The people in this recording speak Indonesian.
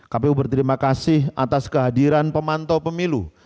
kpu berterima kasih atas kehadiran pemantau pemilu